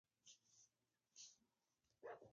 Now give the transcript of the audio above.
افغانستان د انار له پلوه له نورو هېوادونو سره اړیکې لري.